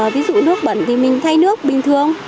ví dụ nước bẩn thì mình thay nước bình thường